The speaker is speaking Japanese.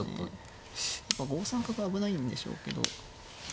５三角危ないんでしょうけど。